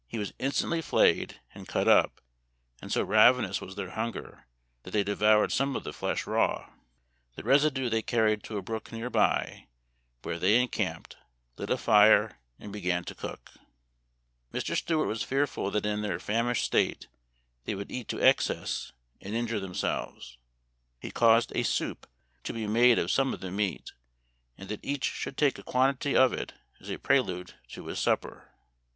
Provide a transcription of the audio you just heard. He was instantly flayed and cut up, and so ravenous was their hunger that they devoured some of the flesh raw. The resi flue they carried to a brook near by, where thev encamped, lit a tire, and began to cook •• Mr. Stuart was tearful that in their tarn ished state they would eat to excess and injure themselves. He caused a soup to be made ol some of the meat, and that each should take a quantity of it as a prelude to his supper.